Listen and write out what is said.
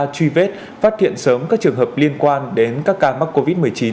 truy vết phát hiện sớm các trường hợp liên quan đến các ca mắc covid một mươi chín